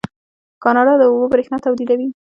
کاناډا د اوبو بریښنا تولیدوي.